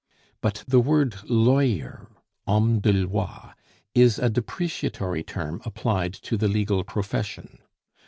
But the word "lawyer" (homme de loi) is a depreciatory term applied to the legal profession.